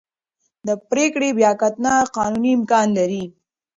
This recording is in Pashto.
د پرېکړې بیاکتنه قانوني امکان لري.